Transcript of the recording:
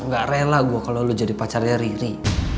ga rela gua kalo lu jadi pacarnya riri